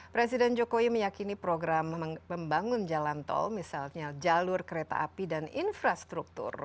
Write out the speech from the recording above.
presiden jokowi meyakini program membangun jalan tol misalnya jalur kereta api dan infrastruktur